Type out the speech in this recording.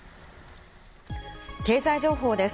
経済情報です。